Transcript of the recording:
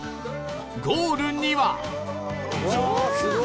ゴールには